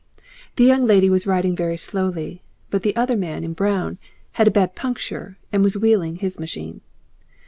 The young lady was riding very slowly, but the other man in brown had a bad puncture and was wheeling his machine.